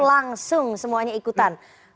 langsung semuanya ikutan